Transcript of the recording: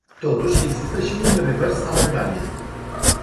Totuși, există și un revers al medaliei.